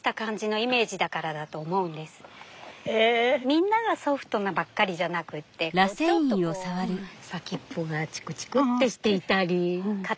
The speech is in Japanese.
みんながソフトなばっかりじゃなくってちょっとこう先っぽがチクチクってしていたり硬かったり。